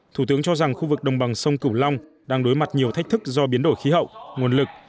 thủ tướng cho rằng khu vực đồng bằng sông cửu long đang đối mặt nhiều thách thức do biến đổi khí hậu nguồn lực